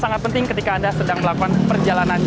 sangat penting ketika anda sedang melakukan perjalanan